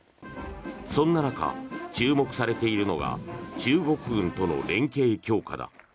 そんな中、注目されているのが中国軍との連携強化だ。